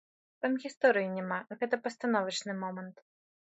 Там гісторыі няма, гэта пастановачны момант.